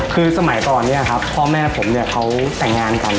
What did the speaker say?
คือสมัยตอนนี้ครับพ่อแม่ผมเขาแต่งงานกัน